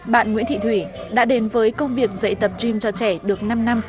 bạn nguyễn thị thủy đã đến với công việc dạy tập gym cho trẻ được năm năm